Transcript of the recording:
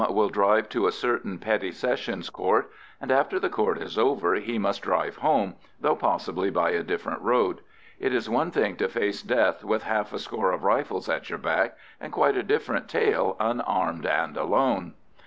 will drive to a certain Petty Sessions Court, and after the Court is over he must drive home, though possibly by a different road. It is one thing to face death with half a score of rifles at your back, and quite a different tale unarmed and alone.